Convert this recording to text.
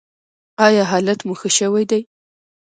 ایا حالت مو ښه شوی دی؟